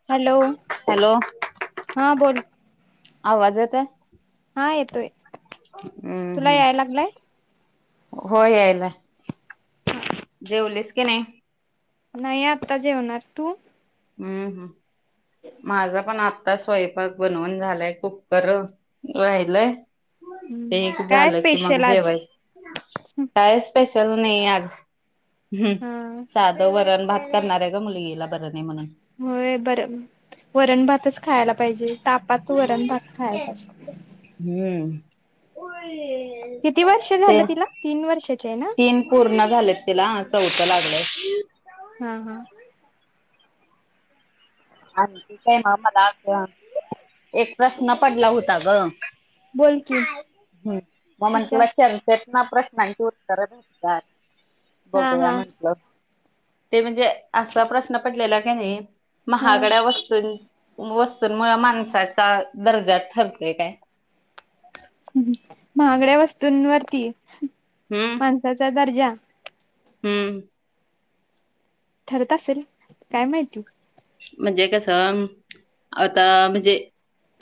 ह हॅलो हा बोल, आवाज येत आहे. हा येतोय हम्म तुला याय हम्म लागलंय. हो यायला हा जेवलेस की नाही. नाही आत्ता जेवणार तू हम्म हम् माझा पण आ आता स्वयंपाक बनवून झालाय कूपकर राहिलंय ते हम्म एक काय झालं की मग स्पेशल आज जेवायच कायच स्पेशल नाही आज हा साधं वरण भात करणाऱ्या का मुलगीला बर नाही नाही म्हणून होय बरं वरण भातच खायला पाहिजे तापात वरण भात खायच असत हम्म किती वर्ष झालं ते तिला तीन वर्षाचे आहे ना तीन पूर्ण झालेत तिला चौथं लागलंय हा हा [unintelligible] काय मला एक प्रश्न पडला होता ग? बोल [unintelligible] की हम्म म विचार म्हंटलं संचेेत ना प्रश्नांची उत्तरं भेटतात हा बघूया हा म्हंटल, ते म्हणजे असा प्रश्न पडलेला की नाही हा महागड्या वस्तून वस्तूंमुळे माणसाचा दर्जा ठरतोय काय? हम् महागड्या वस्तूंवरती हम् माणसाचा दर्जा हम्म ठरत असेल काय माहिती म्हणजे कसं? आता म्हणजे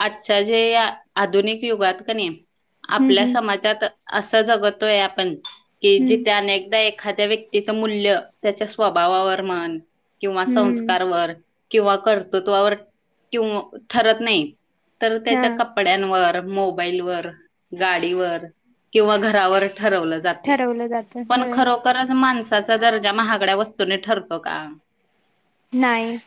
आजच्या जे आधुनिक युगात का नाही. हम्म आपल्या हम्म समाजात असं जगतोय आपण कि हम्म जिथे अनेकदा, एखाद्या व्यक्तीच मूल्य त्याच्या स्वभावावर म्हण किंवा हम्म संस्कारवर किंवा कर्तृत्वावर किंव ठरत नाही तर त्याच्या हा कप कपड्यांवर, मोबाईलवर, गाडीवर किंवा घरावर ठरवलं जात. ठरवलं जातं पण होय खरोखरच माणसाचा दर्जा महागड्या वस्तूनी ठरतो का? नाही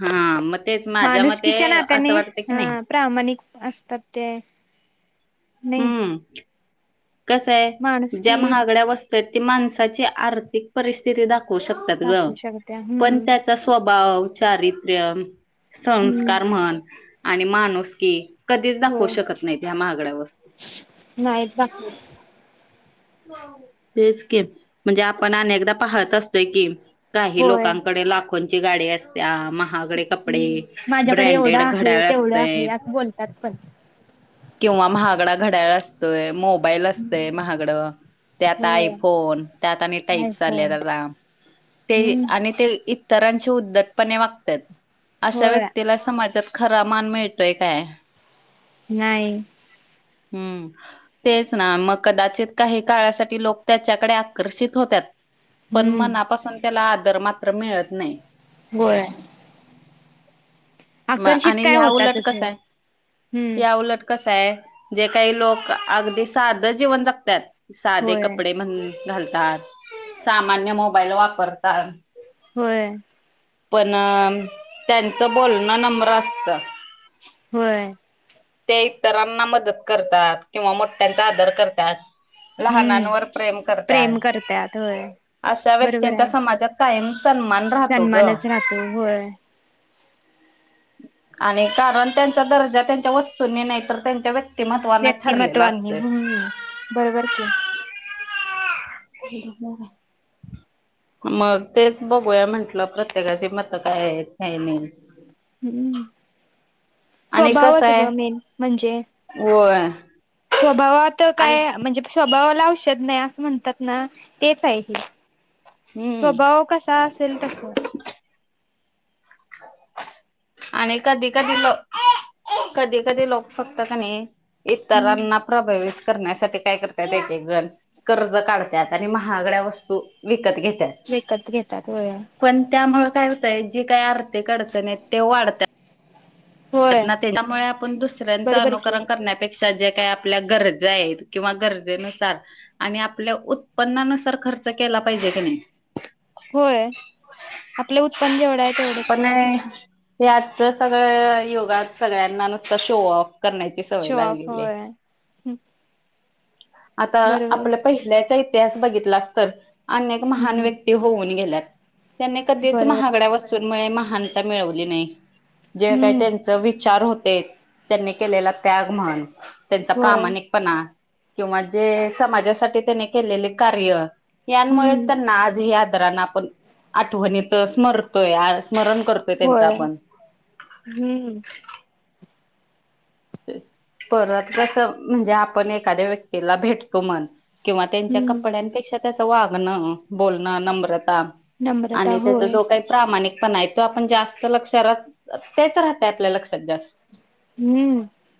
हा म माणुसकीच्या नात्याने ह प्रामाणिक असतात ते नाही हम्म कस आहे ज्या माणुसकी महागड्या वस्तू आहेत माणसाची आर्थिक परिस्थिती दाखवू शकतात ग दाखवू शकत्या पण हम्म त्याचा स्वभाव, चारित्र्य संस्कार हम्म म्हण आणि माणूसकी कधीच दाखव होय शकत नाहीत हया महागड्या वस्तू. [inaudible] नाहीत दाखवू [unintelligible] तेच की म्हणजे आपण अनेकदा पाहत असतोय की काही होय लोकांकडे लाखोंची गाडी असतत्या महा गडे कपडे माझ्याकडे एवढं ब्रँडेड आहे घड्याळ तेवढं असतय. आहे असं बोलतात पण किंवा महागडा घड्याळ असतोय, मोबाईल असतय महागडं त्यात होय आयफोन त्यात आणि आहे टाईपस होय आलेत आता ते हम्म आणि ते [unintelligible] चे उद्दटपणे वागतात अशा होय व्यक्तीला समाजात खरा मान मिळतोय काय? नाही हम्म तेच ना मग कदाचित काही काळासाठी लोक त्याच्याकडे आकर्षित होतत्यात पण हम्म मनापासून त्याला आदर मात्र मिळत नाही. होय मग आकर्षित आणि काय ह्या उलट होतातच कसा होय आहे हम्म ह्या उलट कसय जे [unintelligible] काही लोक अगदी साधं जीवन जगतात साधे होय कपडे म्हण घालतात सामान्य मोबाईल वापरतात होय पण, त्यांचं बोलणं नम्र असतं. होय ते इतरांना मदत करतात किंवा मोठ्यांचा आदर करतात. हम्म लहानांवर प्रेम करतात प्रेम करत्यात होय अशा बरोबर व्यक्ती्चा आहे समाजात कायम सन्मान राहतो ग त होय आणि कारण त्यांचा दर्जा त्यांच्या वस्तूंनी नाही तर त्यांच्या व्य ते महत्वान ठरलेलं व्यक्तिमत्वानी असत हम्म बरोबर की [unintelligible] हो मग तेच बघूया म्हटलं, प्रत्येकाची मतं काय आहेत काय नाही. हम्म, आणि कसं स्वभावाच आहे गं मेन म्हणजे. होय स्वभावात आणि काय म्हणजे स्वभावाला औषध नाही असं म्हणतात ना, तेच आहे ते. हम्म स्वभाव कसा असेल तसं आणि कधी कधी लोक [unintelligible] कधी कधी लोक फक्त कणी नाही हम्म इतरांना प्रभावित करण्यासाठी [unintelligible] काय करत्यात एक एकजण कर्ज काढतात आणि महागड्या वस्तू विकत घेतात विकत घेतात होय. पण त्यामुळे काय होतय, जी काय आर्थिक अडचण आहेत ते वाढत्यात होय ना त्याच्यामुळे आपण दुसऱ्यांच बरोबर की अनुकरण करण्यापेक्षा पेक्षा जे काही आपल्या गरजा आहेत, किंवा गरजेनुसार आणि आपल्या उत्पन्नानुसार खर्च केला पाहिजे, की नाही. होय, आपल उत्पन्न जेवढ आहे तेवढच. यात सगळ योगात सगळ्यांना नुसत शोऑक करण्याची सवय शोआँफ लागलेली आहे. होय. आता बरोबर आहे आपला पहिल्याचा इतिहास बघितलास, तर अनेक महान हम्म व्यक्ती होऊन गेल्यात. त्यांनी कधीच बरोबर महागड्या वस्तूमुळे महानता मिळवली नाही. जे काही हम्म त्यांचे विचार होते, त्यांनी केलेला त्याग म्हण त्यांचा होय प्रामाणिक पणा. किंवा जे समाजासाठी त्यांनी केलेले कार्य यांमुळेच हम्म त्यांना आज आदरान आपण आठवणीत स्मरतोय स्मरण करतोय. त्यांचं आपण होय, ह ह. परत कसं म्हणजे, आपण एखाद्या व्यक्तीला भेटतो म्हण. किंवा त्यांच्या हम्म कपड्यांपेक्षा त्याच वागणं बोलणं नम्रता नम्रता आणि त्याचा होय जो काही प्रामाणिक पणा आहे तो, आपण जास्त लक्षात राह- तेच राहतय आपल्या लक्षात जास्त. हम्म,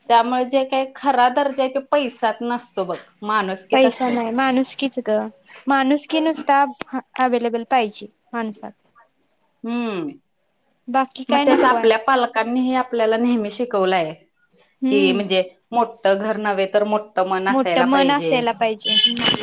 त्यामुळे जे काही खरा दर्जा आहे, तो पैशात नसतो बघ माणुसकीत पैसा असतोय. नाही माणुसकीच गं माणुसकी नुसता अवेलेबल पाहिजे माणसात. हम्म, बाकी मग काय त्याच्या नको आहे आपल्या पालकांनी हे आपल्या नेहमी शिकवलय कि, हम्म म्हणजे मोठ घर नव्हे तर मोठ मन मोठ असायला मन पाहिजे. असायला पाहिजे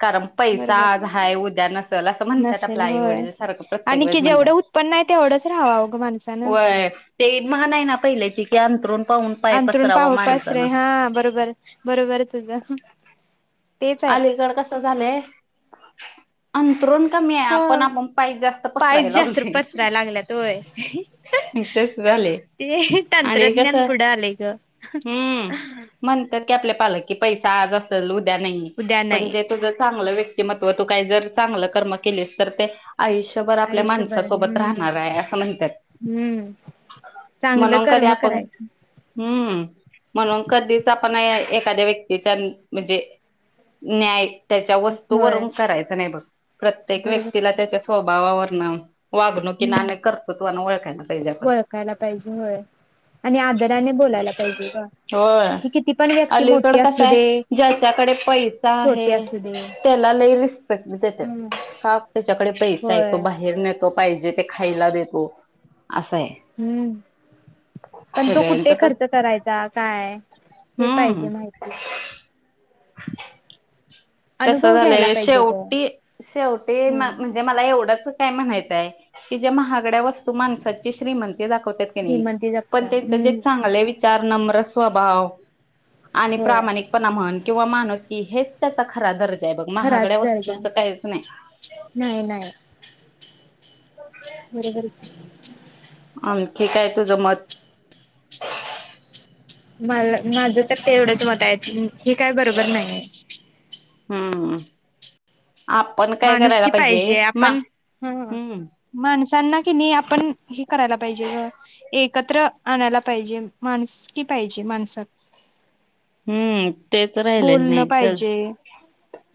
कारण, पैसा बरोबर आज आहे, उद्या नसल असं म्हणत्यात आपलं नसेल आई होय -वडील सारखं प्रत्येक आणि की वेळेस. म्हणतात. जेवढं उत्पन आहे तेवढच राहावाव, गं माणसांनी. व्हय ते म्हण आहे ना, पहिल्याची की अंथरूण पाहून पाय अंथरुण पसरावा पाहुण पाय पसरे माणसानं. हा, बरोबर बरोबर आहे तुझं. तेच आहे अलीकड कसं झालंय? अंथरूण कमी आहे, ह आपण आपण पायचं जास्त पाय पसरायला जास्त लागलोय. पसराय लागल्यात होय तस झालयं. ते तंत्रज्ञान पुढं आलेय गं. हम्म म्हणतात की, आपल्या पालक की पैसा आज असेल उद्या नाही उद्या पण नाही जे तुझं चांगलं व्यक्तिमत्व तू काही, जर चांगलं कर्म केलीस तर ते आयुष्यभर आपल्या आयुष्यभर माणसांसोबत हम्म राहणार आहे, असं म्हणत्यात. हम्म चांगलं म्हणून कधी कर्म आपण करायचं हम्म, म्हणून कधीच आपण एखाद्या व्यक्तीच्या म्हणजे न्याय त्यांच्या होय वस्तूवरून करायच नाही बघ, प्रत्येक बरोबर व्यक्तीला त्याच्या स्वभावावरन वागणुकीनं हम्म आणि कर्तुत्वाने ओळखायला पाहिजे आपण. ओळखायला पाहिजे होय आणि आदराने बोलायला पाहिजे गं. होय, अलीकड कसं दे आहे ज्याच्याकडे पैसा आहे छोटी असू दे त्याला लय रिस्पेक्ट देत्यात, हम्म का त्याच्याकडे पैसा हाय तो होय बा फिरुन येतो पाहिजे ते खायला देतो, असयं. हम्म, पण तो कुठे सगळ्यांच तर खर्च करायचा, काय हे हम्म पाहिजे माहित. [unintelligible] कस घ्यायला झालंय पाहिजे ग शेवटी शेवटी ह म्हणजे म्हणजे मला एवढंच काय म्हणायचंय की, जे महागड्या वस्तू माणसाची श्रीमती दाखवत्यात कनयं, श्रीमंती पण जपता त्यांच जे हम्म चांगले विचार चार नम्र स्वभाव आणि होय प्रामाणिकपणा म्हण किंवा माणूसकी हेच खरा दर्जा आहे बघ, खराच महागड्या दर्जा वस्तूंच काहीच नाही. नाही नाही बरोबरच. आणखी काय तुझं मत? मला माझं तर तेवढंच मत आहे, हे काय बरोबर नाहीयं. हम्म, आपण काय करायला पाहिजे मा- ह ह. माणसांना कनी आपण हे करायला पाहिजे गं एकत्र आणायला पाहिजे, माणसुकी पाहिजे माणसात. हम्म, तेच राहिलयं बोलणं नाही सगळ पाहिजे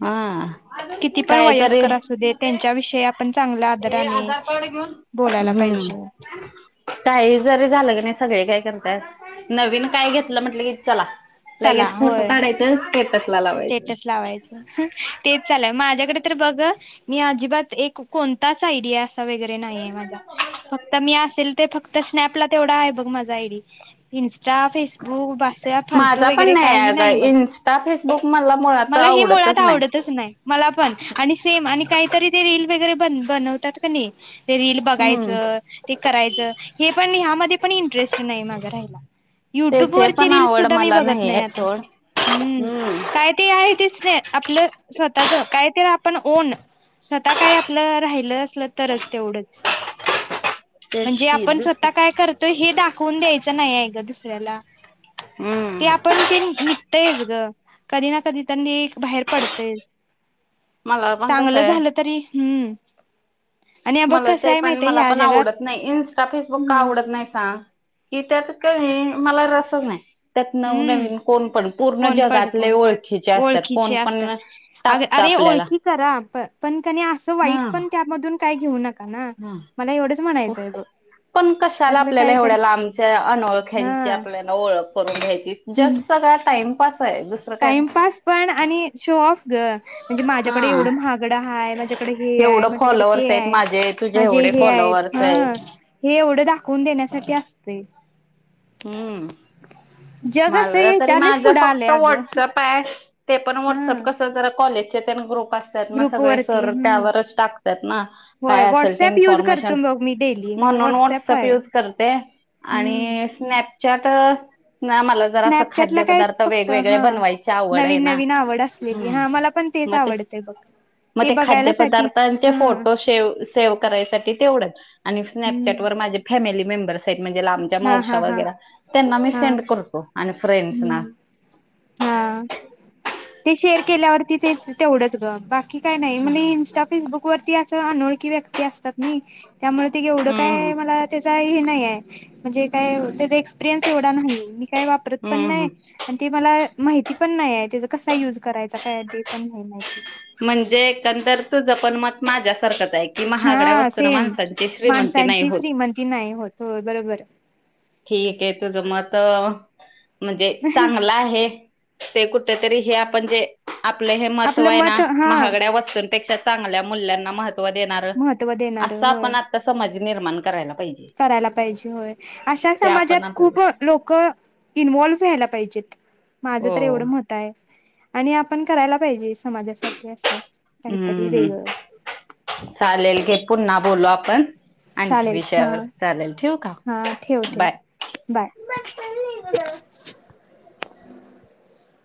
हा किती पण काय तरी वयस्कर असू दे, त्यांच्याविषयी आपण चांगला आदराने बोलायला पाहिजे. हम्म काही जरी झालं की, नाही सगळे काय करतात. नवीन काय घेतलं म्हटलं की, चला चला लगेच फोटो होय काढायच स्टेटसला लावायचं. स्टेटस लावायच तेच चालूयं, माझ्याकडे तर बघ मी अजिबात एक कोणताच आय डि असं वगैरे नाही, माझा फक्त मी असेल ते फक्त स्नॅपला तेवढा आहे बघ माझा आयडी. इन्स्टा, फेसबुक [unintelligible] फालतू माझा पण वगैरे काही अग नाही बघं. इन्स्टा, फेसबुक मला मुळात मला हे मुळात आवडतच नाही आवडतच नाय. मला पण आणि सेम आणि काहीतरी, ते रील वगैरे बन- बनवतात कनय. ते रील हम्म बघायचं ते करायचं हे, पण ह्यामध्ये पण इंटरेस्ट नाही माझा राहिला. युट्यूब त्याचे वरची पण रील आवड सुद्धा मी मला बघत नाही, आहे आता सोड हम्म. हम्म काय ते आहे दिसणे, आपलं स्वतःच काहीतरी आपण ओन स्वतः काय आपलं राहिलं असल तरच तेवढंच. [unintelligible] तेच म्हणजे की आपण दुस स्वतः काय करतोय, हे दाखवून द्यायचं नाही गं दुसऱ्याला. ते हम्म आपण ते निघतयच गं कधी ना कधी बाहेर पडतयचं मला पण कसं चांगलं आहे झालं, तरी हम्म. आणि बघ मला कसं ते आहे पण माहित आहे मला ह्या पण जगात आवडत नाही, इस्टा, फेसबुक का आवडत नाही सांग? कि त्यात कनी मला रसच नाही. त्यात हम्म नवनवीन कोण पण पूर्ण कोण जगातले, पडते ओळखीचे असतात कोण पण अगं टाकत अरे आपल्याला ओळखी करा प- पण कनय असं वाईट पण, हा त्यामधून काय घेऊ नका. नका ना, मला एवढंच म्हणायच आहे ब. पण कशाला आपल्याला एवढ्या लांबच्या अनोळख्यांच्या हा आपल्याला ओळख करून घ्यायची, जस्ट सगळा टाइमपास आहे. काय नाही टाइमपास पण आणि शोऑफ गं. म्हणजे माझ्याकडे हा एवढं महागडं आहे, माझ्याकडे हे आहे एवढं माझ्याकडे ते फॉलोवर्स आहेत आहे. माझे तुझे माझे एवढे हे आहेत फॉलोवर्स हं, आहेत हे एवढं दाखवून देण्यासाठी असतय. हम्म, जग असं मला तरी याच्यानेच माझा पुढं आलंय फक्त अगं व्हॉट्सअप हाय ते पण हा व्हट्सअप कस जरा, कॉलेजचे तेन ग्रुप असत्यात. तर मग ग्रुप सगळे वरती सर हम्म त्यावरचं टाकत्यात ना, होय काय असेल ते व्हॉट्सअप युज इन्फोर्मेशन करतो बघ मी डेली म्हणून व्हॉट्सअप व्हाट्सअप आहे यूज करते हम्म आणि स्नॅपचॅट मला जरा असं स्नॅपचॅटला कायच खाद्यपदार्थ फक्त वेगवेगळे हा बनवायची आवड आहे नवीन ना. नवीन आवड असलेली हा मला पण तेच आवडत ते बघ मग ते बघायलासाठी खाद्यपदार्थांचे हा फोटो सेव सेव्ह करायसाठी तेवढ आणि हम्म स्नॅपचॅट व माझे फॅमिली मेंबर्स आहेत, म्हणजे आमच्या हा हा मावश्या हा वगैरे त्यांना मी हा सेंड करतो आणि फ्रेंन्डसना. हम्म हा, ते शेअर केल्यावरती ते तेवढंच गं बाकी की काय नाही, मला इंस्टा, फेसबुक वरती असं अनोळखी व्यक्ती असतात नाही. त्यामुळे ते एवढं हम्म काय मला त्याचा हे नाही आहे म्हणजे काय त्याचा एक्सपिरियन्स एवढा नाही मी काय वापरत पण हम्म हम्म नाही आणि ते मला माहिती पण नाही आहे त्याचा कसा युज करायचा काय ते पण माहिती म्हणजे एकंदर तुझं पण मत माझ्यासारखंच आहे की महागड्या हा वस्तना माणसांची श्रीमंती नाही होत की नाही होत बरोबर ठीक आहे तुझ मत म्हणजे चांगलं आहे ते कुठेतरी हे आपण जे आपलं हे महत्व आपलं आहे ना मत हा महागड्या वस्तून ा चांगल्या मल्यांना महत्व देणार महत्त्व देणार असं होय आपण त समज निर्माण करायला पाहिजे करायला पाहिजे होय अशा ते आपण समाजात आपलं खूप लोक इन्व्हल्व्ह व्हायला पाहिजेत माझं हो तर एवढं महत् आणि आपण करायला पाहिजे समाजासाठी असं काहीतरी हम्म वेगळं हम् चालेल घे पुन्हा बोललो आपण आणखी चालेल हा विषयावर चालेल ठेव का हा ठेव ठेव बाय बाय ख ग ना